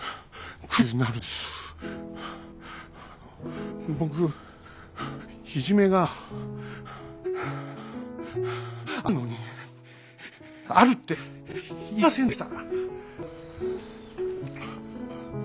僕いじめがいじめがあるのにあるって言えませんでした。